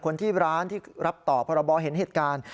คนที่ร้านที่รับต่อพรบเห็นเหตุการณ์